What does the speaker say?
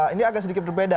ini agak sedikit berbeda